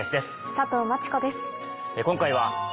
佐藤真知子です。